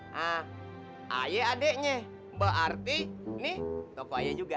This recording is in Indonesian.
ha haye adeknya berarti ini toko haye juga